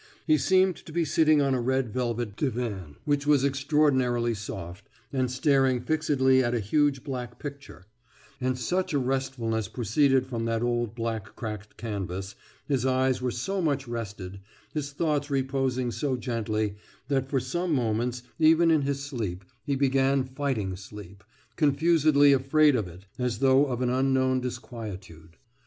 He seemed to be sitting on a red velvet divan, which was extraordinarily soft, and staring fixedly at a huge black picture; and such a restfulness proceeded from that old black cracked canvas, his eyes were so much rested, his thoughts reposing so gently, that for some moments, even in his sleep, he began fighting sleep, confusedly afraid of it, as though of an unknown disquietude.